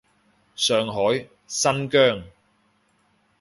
上海，新疆